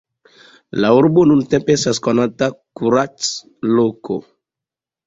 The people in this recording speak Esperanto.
La urbo nuntempe estas konata kuracloko.